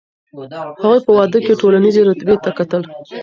هغوی په واده کي ټولنیزې رتبې ته کتل.